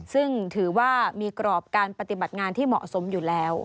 ซึ่งถือว่ามีกรอบการปฏิบัติงานที่เหมาะสมอยู่แล้ว